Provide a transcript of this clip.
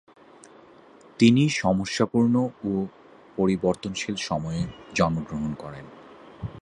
তিনি সমস্যাপূর্ণ ও পরিবর্তনশীল সময়ে জন্মগ্রহণ করেন।